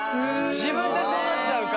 自分でそうなっちゃうか。